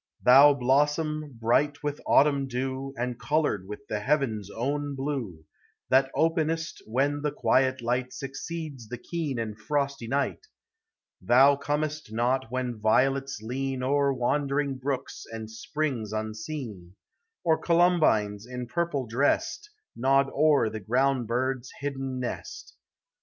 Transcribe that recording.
Thou blossom, bright with autumn dew, And colored with the heaven's own blue, That openest when the quiet light Succeeds the keen and frosty night; Thou comest not when violets lean O'er wandering brooks and springs unseen, Or columbines, in purple dressed, Nod o'er the ground bird's hidden nest.